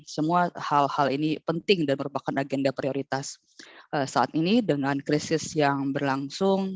semua hal hal ini penting dan merupakan agenda prioritas saat ini dengan krisis yang berlangsung